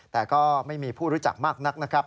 แต่ก็ไม่มีผู้รู้จักมากนักนะครับ